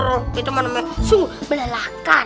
eh temen temen sungguh belalakan